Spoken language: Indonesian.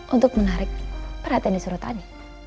untuk menarik perhatian di surotani